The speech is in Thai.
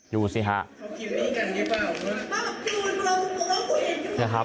อยู่สิฮะ